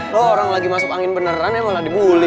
lo orang lagi masuk angin beneran ya malah di bully